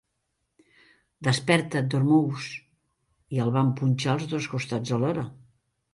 "Desperta't, Dormouse!", i el van punxar als dos costats alhora.